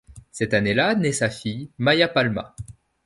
Cette année-là naît sa fille Maya Palma.